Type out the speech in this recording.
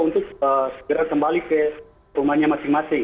untuk segera kembali ke rumahnya masing masing